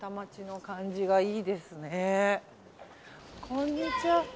こんにちは。